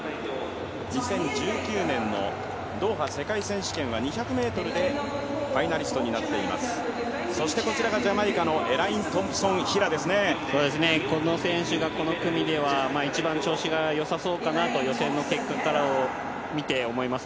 ２０１９年のドーハ世界選手権は２００ｍでファイナリストになっています。